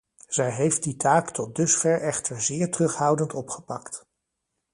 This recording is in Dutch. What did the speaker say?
Zij heeft die taak tot dusver echter zeer terughoudend opgepakt.